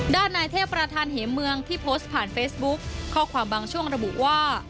ด้านนายเทพประธานเหมเมืองที่โพสต์ผ่านเฟซบุ๊คข้อความบางช่วงระบุว่า